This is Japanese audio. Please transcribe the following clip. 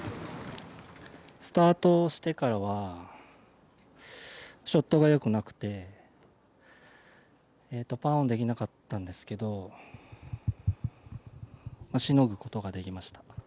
スタートしてからは、ショットがよくなくてパーオンできなかったんですけどしのぐことができました。